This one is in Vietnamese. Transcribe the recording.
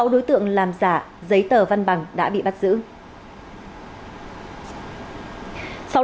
sáu đối tượng làm giả giấy tờ văn bằng đã bị bắt giữ